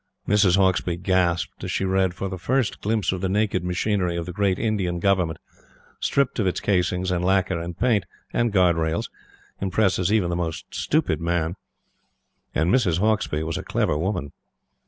Mrs. Hauksbee gasped as she read, for the first glimpse of the naked machinery of the Great Indian Government, stripped of its casings, and lacquer, and paint, and guard rails, impresses even the most stupid man. And Mrs. Hauksbee was a clever woman.